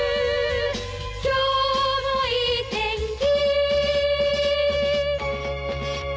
「今日もいい天気」